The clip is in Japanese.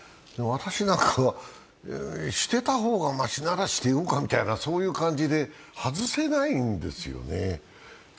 私なんか、してた方がましならしてようかとそういう感じで、外せないんですよね。